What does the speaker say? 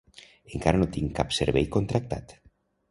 Encara no tinc cap servei contractat.